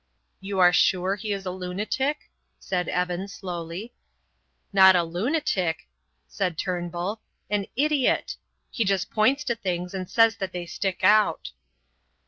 "You are sure he is a lunatic?" said Evan, slowly. "Not a lunatic," said Turnbull, "an idiot. He just points to things and says that they stick out."